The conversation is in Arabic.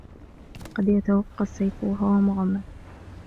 قد يتوقى السيف وهو مغمد